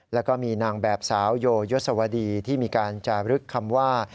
แล้วก็มีนางแบบสาวโยยศวดีที่มีการจารึกคำว่า